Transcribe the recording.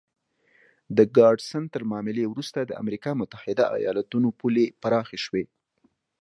د ګاډسن تر معاملې وروسته د امریکا متحده ایالتونو پولې پراخې شوې.